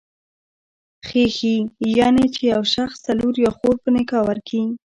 خېښي، يعنی چي يو شخص ته لور يا خور په نکاح ورکي.